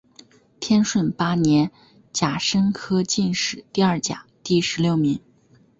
天顺八年甲申科进士第二甲第十六名。